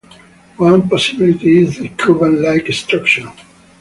One possibility is the cubane-like structure.